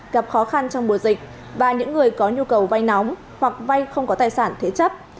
gặp khó khăn trong mùa dịch và những người có nhu cầu vay nóng hoặc vay không có tài sản thế chấp